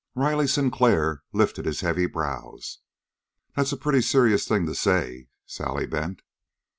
Riley Sinclair lifted his heavy brows. "That's a pretty serious thing to say, Sally Bent."